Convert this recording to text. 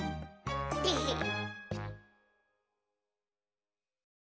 テヘッ。